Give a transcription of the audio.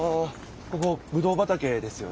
ここぶどう畑ですよね？